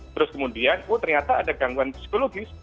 terus kemudian oh ternyata ada gangguan psikologis